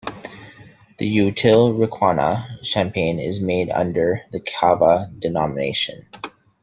In Utiel-Requena, champagne is made under the cava denomination.